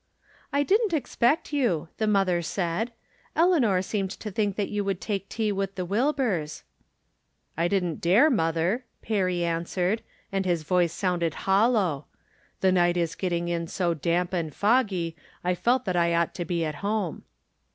" I didn't expect you," the mother said. " El eanor seemed to think that you would take tea with the Wilburs." " I didn't dare, mother," Perry answered, and his voice sounded hollow.' " The night is setting in so damp and foggy I felt that I ought to be at home."